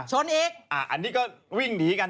ชนอีกอันนี้ก็วิ่งหนีกัน